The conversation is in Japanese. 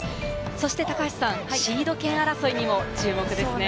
そして高橋さん、シード権争いにも注目ですね。